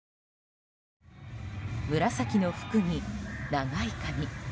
紫の服に長い髪